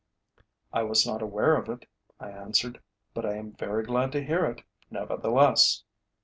"I was not aware of it," I answered; "but I am very glad to hear it, nevertheless."